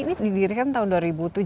ini didirikan tahun dua ribu tujuh